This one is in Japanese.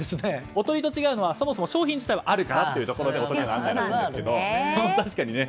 おとりと違うのは商品自体はあるからというところなんですけど。